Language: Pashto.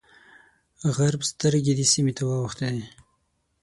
غرب سترګې دې سیمې ته واوښتې.